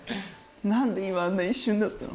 何で今あんな一瞬だったの？